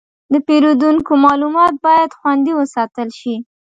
د پیرودونکو معلومات باید خوندي وساتل شي.